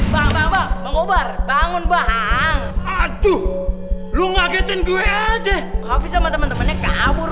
bang bang bang mengobar bangun bang aduh lu ngagetin gue aja habis sama temen temennya kabur